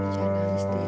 ya allah ya tuhan